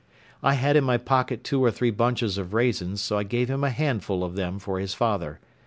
I had in my pocket two or three bunches of raisins, so I gave him a handful of them for his father.